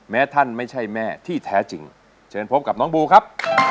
ท่านไม่ใช่แม่ที่แท้จริงเชิญพบกับน้องบูครับ